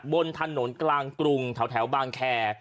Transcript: บนถนนกลางกรุงแถวบางแคร์